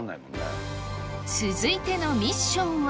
続いてのミッションは。